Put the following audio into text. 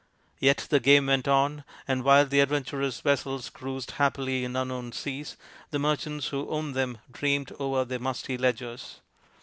Yet the game went on, and while the adventurous vessels cruised happily in unknown seas, the merchants who owned them dreamed over their musty ledgers.